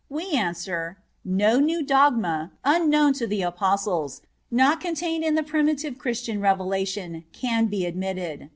We answer: No new dogma, unknown to the Apostles, not contained in the primitive Christian revelation, can be admitted.